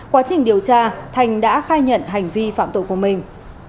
quá trình điều tra thành đã khai nhận hành vi phạm tội của mình